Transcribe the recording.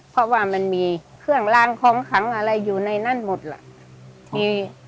เพราะว่ามันมีเครื่องล้างของขังอะไรอยู่ในนั้นหมดล่ะ